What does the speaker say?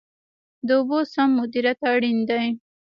د اوبو سم مدیریت اړین دی